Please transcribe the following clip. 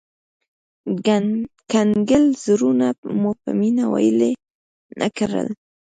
کنګل زړونه مو په مينه ويلي نه کړل